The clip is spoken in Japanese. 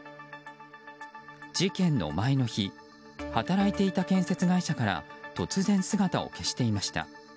事件の前の日働いていた建設会社から突然、姿を消していました。